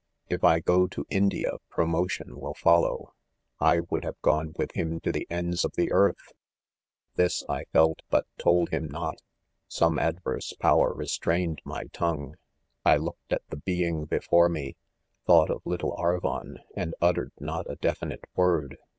If I go to. India pro motion will follow." I would have gone with him to the ends of the earth !' This I felt but told him not j some adverse power restrained THE CONFESSIONS. 105 my tongue. J looked at the being before me, thought of little Arvon, and uttered Dot a de finite word.